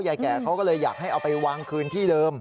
แก่เขาก็เลยอยากให้เอาไปวางคืนที่เดิม